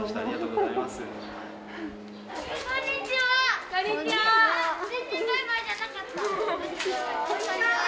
こんにちは。